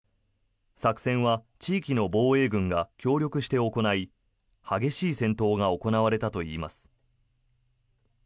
作戦は地域の防衛軍が協力して行い激しい戦闘が行われたといいます。